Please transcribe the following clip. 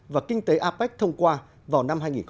và kinh tế apec thông qua vào năm hai nghìn một mươi năm